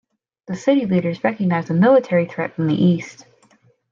The city leaders recognized a military threat from the east.